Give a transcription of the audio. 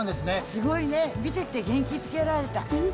すごいね、見てて元気づけら本当？